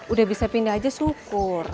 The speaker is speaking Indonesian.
udah bisa pindah aja syukur